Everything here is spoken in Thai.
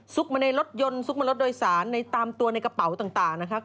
มาในรถยนต์ซุกมารถโดยสารในตามตัวในกระเป๋าต่างนะครับ